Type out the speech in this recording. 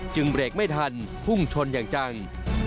เบรกไม่ทันพุ่งชนอย่างจัง